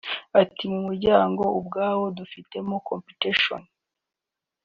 Ati “Mu muryango ubwawo dufitemo competition